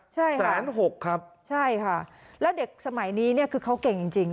ใช่ค่ะแสนหกครับใช่ค่ะแล้วเด็กสมัยนี้เนี่ยคือเขาเก่งจริงจริง